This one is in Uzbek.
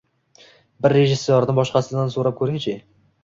Bir rejissyorni boshqasidan so‘rab ko‘ringchi.